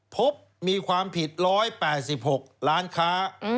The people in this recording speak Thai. พบมีความผิด๑๘๖ล้านค้า